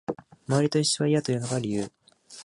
周りと一緒は嫌というのが理由